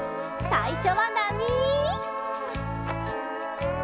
さいしょはなみ。